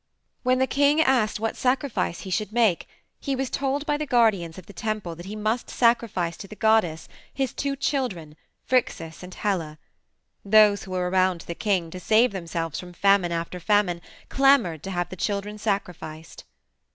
"When the king asked what sacrifice he should make he was told by the guardians of the temple that he must sacrifice to the goddess his two children, Phrixus and Helle. Those who were around the king, to save themselves from famine after famine, clamored to have the children sacrificed.